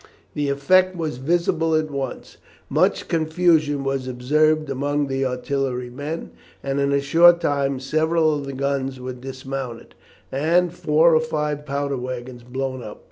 The effect was visible at once. Much confusion was observed among the artillery men, and in a short time several of the guns were dismounted, and four or five powder waggons blown up.